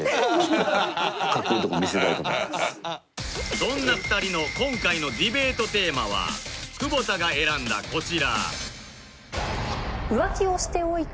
そんな２人の今回のディベートテーマは久保田が選んだこちら